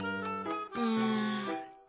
うん。